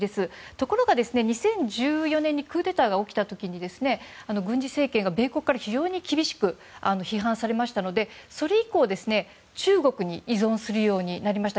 ところが２０１４年にクーデターが起きた時に軍事政権が米国から非常に厳しく批判されたので、それ以降中国に依存するようになりました。